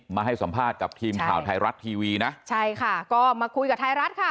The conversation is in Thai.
มาให้สัมภาษณ์กับทีมข่าวไทยรัฐทีวีนะใช่ค่ะก็มาคุยกับไทยรัฐค่ะ